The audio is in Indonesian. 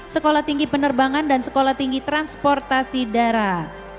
sekolah tinggi penerbangan dan sekolah tinggi transportasi darat